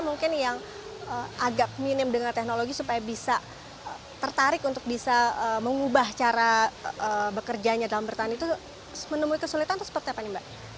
mungkin yang agak minim dengan teknologi supaya bisa tertarik untuk bisa mengubah cara bekerjanya dalam bertahan itu menemui kesulitan atau seperti apa nih mbak